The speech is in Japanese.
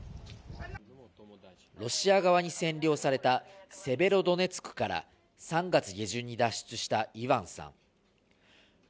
ロシア側に占領されたセベロドネツクから３月下旬に脱出したイヴァンさん。